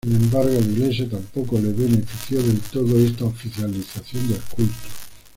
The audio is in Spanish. Sin embargo a la Iglesia tampoco le benefició del todo esta oficialización del culto.